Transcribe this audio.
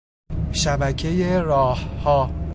شبکهی راهها